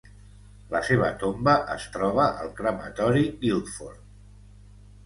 La seva tomba es troba al crematori Guildford.